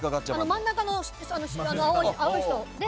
真ん中の青い人。